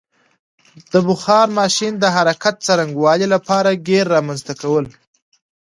د بخار ماشین د حرکت څرنګوالي لپاره ګېر رامنځته کول.